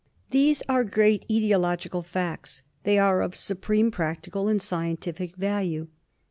These are great etiological facts. They are of supreme practical and scientific value.